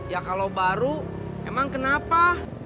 ya kalau baru emang kenapa